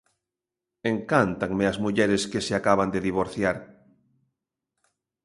Encántanme as mulleres que se acaban de divorciar.